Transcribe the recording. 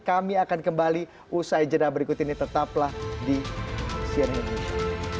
kami akan kembali usai jeda berikut ini tetaplah di cnn indonesia